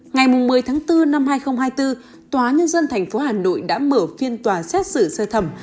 ngày một mươi tháng bốn năm hai nghìn hai mươi bốn tòa nhân dân tp hà nội đã mở phiên tòa xét xử sơ thẩm